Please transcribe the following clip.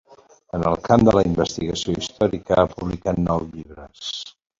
En el camp de la investigació històrica ha publicat nou llibres.